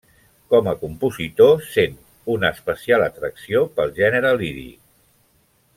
Com a compositor, sent una especial atracció pel gènere líric.